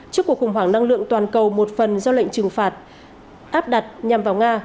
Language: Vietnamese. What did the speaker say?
trước cuộc khủng hoảng năng lượng toàn cầu một phần do lệnh trừng phạt áp đặt nhằm vào nga